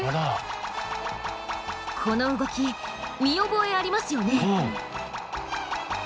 この動き見覚えありますよね？